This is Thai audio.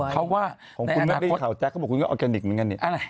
เขาว่าของคุณแม็กข่าวแจ๊คเขาบอกคุณก็ออร์แกนิคเหมือนกันนี่